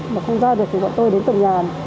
mà không ra được thì bọn tôi đến từng nhà